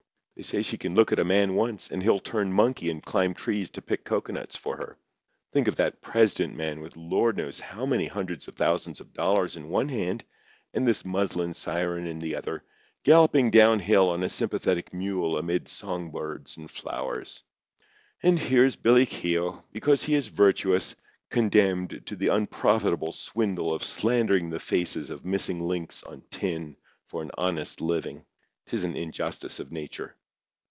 They say she can look at a man once, and he'll turn monkey and climb trees to pick cocoanuts for her. Think of that president man with Lord knows how many hundreds of thousands of dollars in one hand, and this muslin siren in the other, galloping down hill on a sympathetic mule amid songbirds and flowers! And here is Billy Keogh, because he is virtuous, condemned to the unprofitable swindle of slandering the faces of missing links on tin for an honest living! 'Tis an injustice of nature."